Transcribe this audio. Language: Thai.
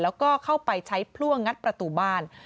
แล้วก็เข้าไปใช้พล่วงงัดประตูบ้าน